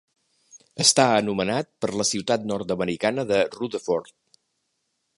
Està anomenat per la ciutat nord-americana de Rutherford.